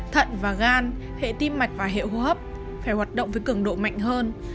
thận và gan hệ tim mạch và hệ hô hấp phải hoạt động với cường độ mạnh hơn